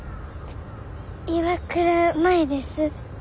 岩倉舞です。